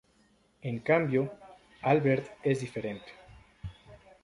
En cambio, Albert es diferente.